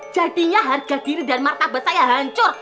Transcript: jadinya harga diri dan martabat saya hancur